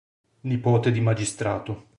Nipote di magistrato.